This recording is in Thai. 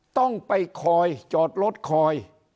ต้องไปคอยจอดรถคอย